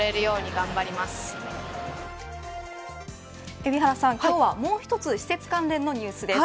海老原さん、今日はもう１つ施設関連のニュースです。